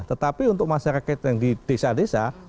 tetapi untuk masyarakat yang di desa desa